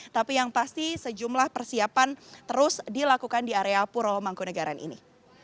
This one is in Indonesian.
tapi yang pasti sejumlah persiapan terus dilakukan di area puro mangkunagaran ini